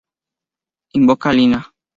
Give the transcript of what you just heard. Invoca a Lina.